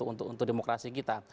untuk demokrasi kita